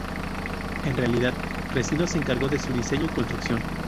En realidad, Recinos se encargó en su diseño y construcción.